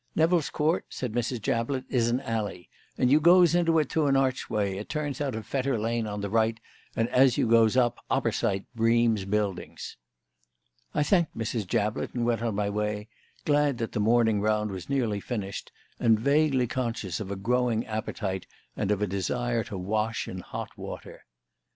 "Nevill's Court," said Mrs. Jablett, "is a alley, and you goes into it through a archway. It turns out of Fetter Lane on the right 'and as you goes up, oppersight Bream's Buildings." I thanked Mrs. Jablett and went on my way, glad that the morning round was nearly finished, and vaguely conscious of a growing appetite and of a desire to wash in hot water.